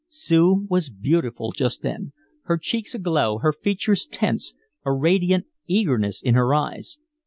Sue was beautiful just then her cheeks aglow, her features tense, a radiant eagerness in her eyes.